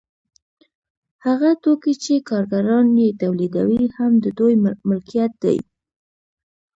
هغه توکي چې کارګران یې تولیدوي هم د دوی ملکیت دی